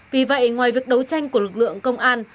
vì vậy ngoài việc đấu tranh của lực lượng công an